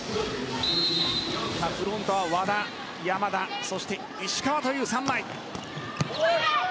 フロントは和田、山田そして石川という３枚。